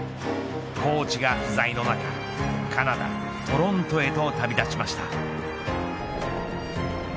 コーチが不在の中カナダ、トロントへと旅立ちました。